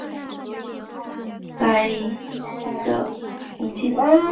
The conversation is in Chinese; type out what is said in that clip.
该校甘榜汝和红毛路两处校舍遭封禁。